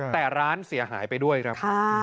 แต่ร้านเสียหายไปด้วยครับ